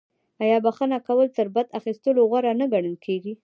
آیا بخښنه کول تر بدل اخیستلو غوره نه ګڼل کیږي؟